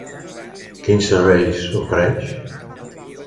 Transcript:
Quins serveis ofereix?